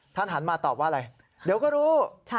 หันมาตอบว่าอะไรเดี๋ยวก็รู้